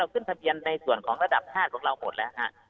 ขึ้นทะเบียนในส่วนของระดับ๕ของเราหมดแล้วฮะ